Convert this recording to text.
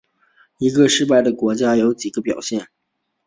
一个失败国家有几个表现。